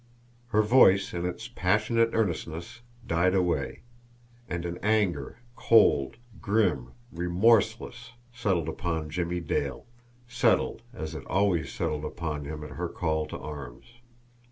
Her voice, in its passionate earnestness, died away; and an anger, cold, grim, remorseless, settled upon Jimmie Dale settled as it always settled upon him at her call to arms.